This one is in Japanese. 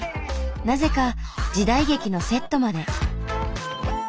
なぜか時代劇のセットまで。